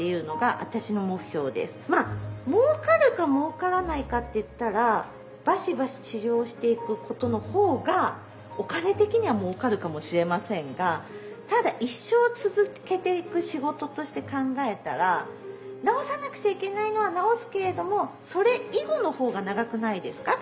まあ儲かるか儲からないかっていったらバシバシ治療していくことの方がお金的には儲かるかもしれませんがただ一生続けていく仕事として考えたら治さなくちゃいけないのは治すけれどもそれ以後の方が長くないですか？